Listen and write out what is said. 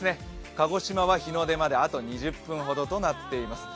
鹿児島は日の出まであと２０分ほどとなっています。